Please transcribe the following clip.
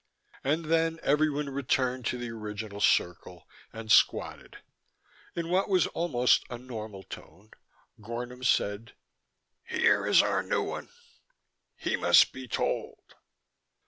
And then everyone returned to the original circle, and squatted. In what was almost a normal tone Gornom said: "Here is our new one. He must be told."